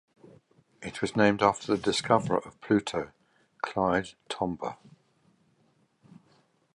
It was named after the discoverer of Pluto, Clyde Tombaugh.